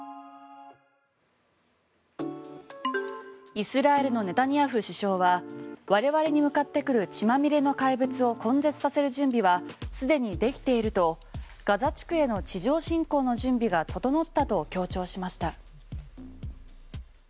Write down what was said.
イスラエルのネタニヤフ首相は我々に向かってくる血まみれの怪物を根絶させる準備は既にできているとガザ地区への地上侵攻の準備が整ったと強調しました。